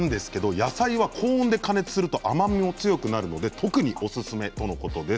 野菜は高温で加熱すると甘みも強くなるので特におすすめとのことです。